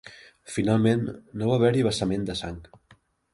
Finalment no va haver-hi vessament de sang.